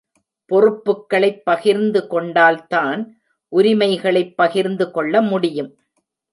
பொறுப்புக்களைப் பகிர்ந்து கொண்டால் தான் உரிமைகளைப் பகிர்ந்து கொள்ள முடியும்.